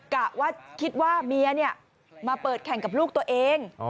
กะว่าคิดว่าเมียมาเปิดแข่งกับลูกตัวเอง